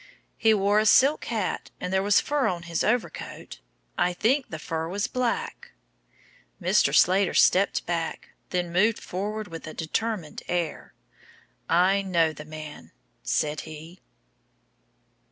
"He wore a silk hat and there was fur on his overcoat. I think the fur was black." Mr. Slater stepped back, then moved forward again with a determined air. "I know the man," said he.